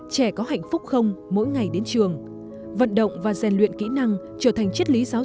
trẻ có hạnh phúc không mỗi ngày đến trường vận động và rèn luyện kỹ năng trở thành chất lý giáo